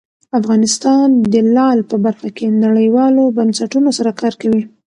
افغانستان د لعل په برخه کې نړیوالو بنسټونو سره کار کوي.